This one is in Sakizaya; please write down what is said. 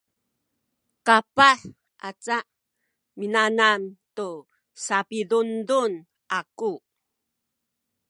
kapah aca minanam tu sapidundun aku